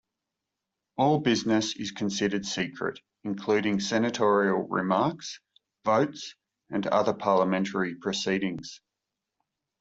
All business is considered secret, including senatorial remarks, votes, and other parliamentary proceedings.